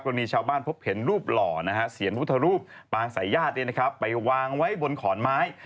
มีชาวบ้านพบเห็นรูปหล่อเสียงพุทธรูปปางสายญาติไปวางไว้บนขอนไม้